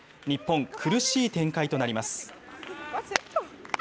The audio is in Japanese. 日本、苦しい展開となります。